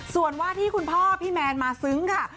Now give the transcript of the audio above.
ส่วนว่าที่คุณพ่อพี่แมนมาซึ้งค่ะ